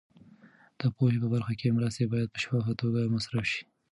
د پوهنې په برخه کې مرستې باید په شفافه توګه مصرف شي.